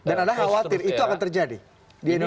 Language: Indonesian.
dan anda khawatir itu akan terjadi di indonesia